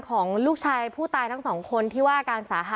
ก็เลยต้องรีบไปแจ้งให้ตรวจสอบคือตอนนี้ครอบครัวรู้สึกไม่ไกล